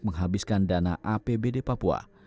menghabiskan dana apbd papua